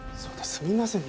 すみません